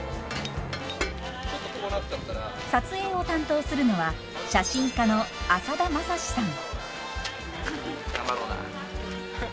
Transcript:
撮影を担当するのは写真家の浅田政志さん。